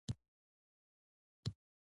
په برټانیه کې د روسیې سفیر کنټ شووالوف.